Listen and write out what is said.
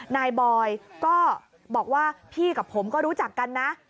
นายบอยก็บอกว่าพี่กับผมก็รู้จักกันนะ